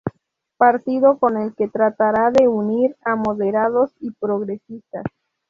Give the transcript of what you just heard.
Partido con el que tratará de unir a moderados y progresistas.